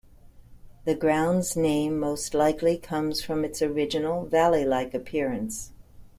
The ground's name most likely comes from its original valley-like appearance.